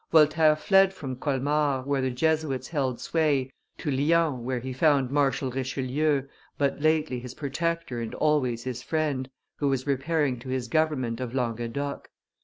Voltaire fled from Colmar, where the Jesuits held sway, to Lyons, where he found Marshal Richelieu, but lately his protector and always his friend, who was repairing to his government of Languedoc.